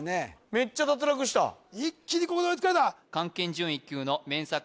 めっちゃ脱落した一気にここで追いつかれた漢検準１級のＭＥＮＳＡ